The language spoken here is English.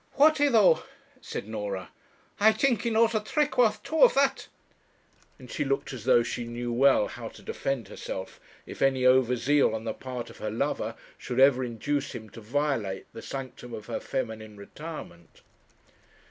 'Would he though?' said Norah; 'I think he knows a trick worth two of that;' and she looked as though she knew well how to defend herself, if any over zeal on the part of her lover should ever induce him to violate the sanctum of her feminine retirement.